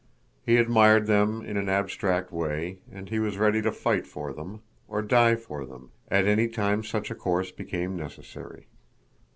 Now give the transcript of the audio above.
He admired them in an abstract way, and he was ready to fight for them, or die for them, at any time such a course became necessary.